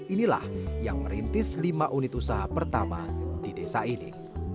inilah yang merintis lima unit usaha pertama di desa ini